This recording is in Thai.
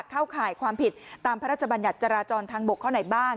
เข้าข่ายความผิดตามพธจราจรทางบกเขาไหนบ้าง